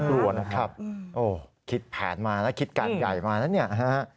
น่ารวดนะครับโอ้คิดแผนมาแล้วคิดการใหญ่มาแล้วเนี่ย